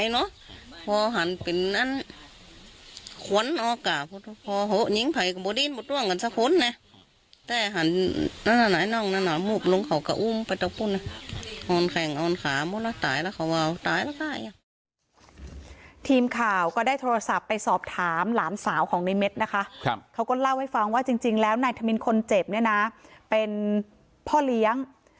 แรงเพิ่มคบหากับแม่เขาเนี่ย